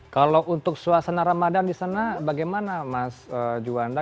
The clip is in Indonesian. kalau untuk suasana ramadhan di sana bagaimana mas juwanda